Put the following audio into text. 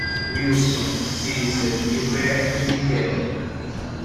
Wilson, Cícero, Gilberto e Miguel